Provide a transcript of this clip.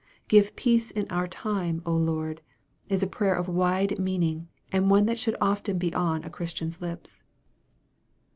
" Give peace in our time, Lord," is a prayer of wide meaning, and one that should often be on a Christian's lips.